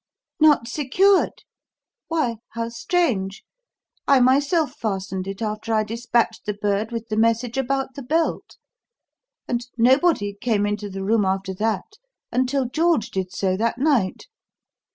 "Not secured? Why, how strange. I myself fastened it after I despatched the bird with the message about the belt. And nobody came into the room after that until George did so that night.